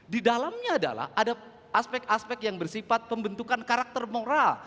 di dalamnya adalah ada aspek aspek yang bersifat pembentukan karakter moral